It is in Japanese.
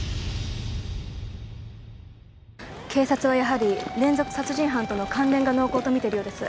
警察はやはり連続殺人犯との関連が濃厚と見ているようです。